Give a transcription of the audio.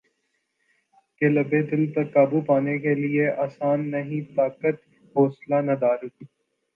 کے لیے دل پر قابو پانے کیلئے آسان نہیں طاقت حوصلہ ندارد